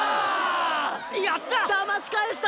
やった！